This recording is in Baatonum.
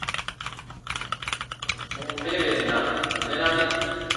Ǹ n mɛren na, mɛna mi.